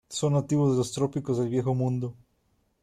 Son nativos de los trópicos del Viejo Mundo.